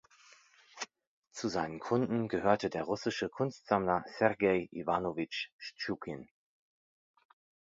Zu seinen Kunden gehörte der russische Kunstsammler Sergei Iwanowitsch Schtschukin.